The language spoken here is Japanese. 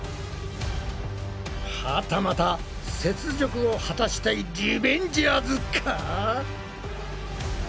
はたまた雪辱を果たしたいリベンジャーズか？